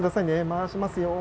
回しますよ。